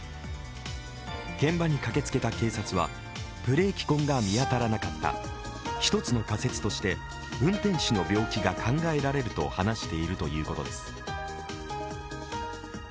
現場に駆けつけた警察はブレーキ痕が見当たらなかった、１つの仮説として運転手の病気が考えられると話しているということです。